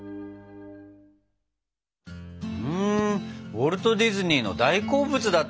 ウォルト・ディズニーの大好物だったんだね。